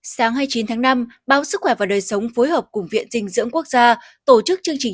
sáng hai mươi chín tháng năm báo sức khỏe và đời sống phối hợp cùng viện dinh dưỡng quốc gia tổ chức chương trình